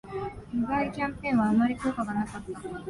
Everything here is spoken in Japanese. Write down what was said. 不買キャンペーンはあまり効果がなかった